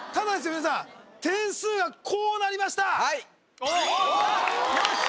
皆さん点数がこうなりましたよっしゃ！